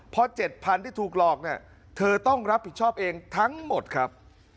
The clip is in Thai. เพราะเจ็ดพันธุ์ที่ถูกหลอกเธอต้องรับผิดชอบเองทั้งหมดครับ